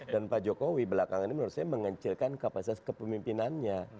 dan pak jokowi belakangan ini menurut saya mengecilkan kapasitas kepemimpinannya